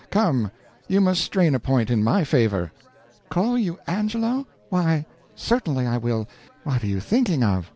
Come, you must strain a point in my favor." "Call you Angelo? Why, certainly I will; what are you thinking of!